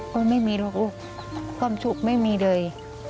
ก็ไม่มีหรอกลูกความสุขไม่มีเลย